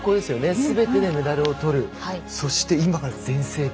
すべてでメダルを取るそして今が全盛期。